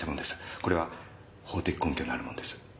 これは法的根拠のあるものです。